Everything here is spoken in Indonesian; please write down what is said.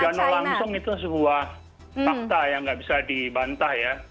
tiga nol langsung itu sebuah fakta yang gak bisa dibantah ya